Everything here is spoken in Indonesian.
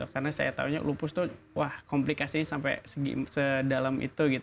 karena saya tahunya lupus itu komplikasinya sampai sedalam itu